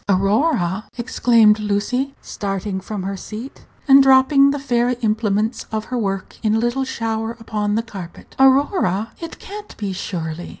"Aurora!" exclaimed Lucy, starting from her seat and dropping the fairy implements of her work in a little shower upon the carpet; "Aurora!" It can't be, surely?